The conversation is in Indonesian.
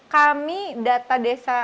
kami data desa